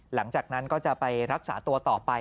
หลังจากนั้นก็จะไปรักษาตัวต่อไป